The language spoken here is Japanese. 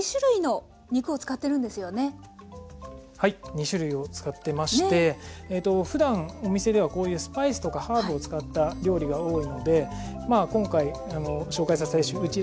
２種類を使ってましてふだんお店ではこういうスパイスとかハーブを使った料理が多いのでまあ今回紹介したレシピうちらしいレシピになっております。ね。